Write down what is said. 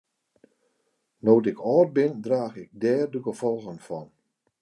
No't ik âld bin draach ik dêr de gefolgen fan.